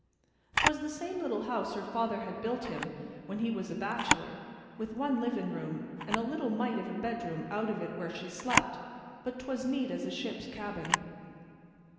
'Twas the same little house her father had built him when he was a bachelor, with one livin' room, and a little mite of a bedroom out of it where she slept, but 'twas neat as a ship's cabin.